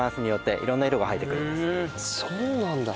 そうなんだ！